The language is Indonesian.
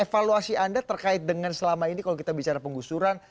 evaluasi anda terkait dengan selama ini kalau kita bicara penggusuran